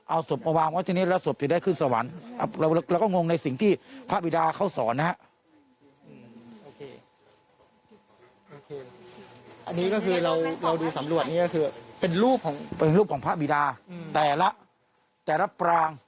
ดูสำรวจนี้ก็คือเป็นรูปของพระบิดาแต่ละปลางต้องเรียกว่าปลาง